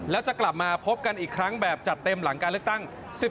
แล้วจะกลับมาพบกันอีกครั้งแบบจัดเต็มหลังการเลือกตั้ง